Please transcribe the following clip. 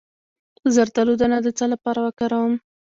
د زردالو دانه د څه لپاره وکاروم؟